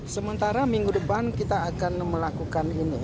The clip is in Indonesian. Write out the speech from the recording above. sementara minggu depan kita akan melakukan ini